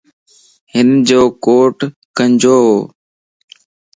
ھنجو ڪوٽ ڪنجووَ